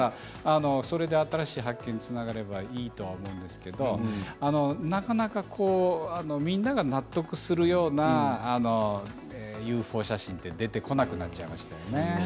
それで新しい発見につながればいいと思うんですけどなかなかみんなが納得するようなＵＦＯ写真って出てこなくなっちゃいましたよね。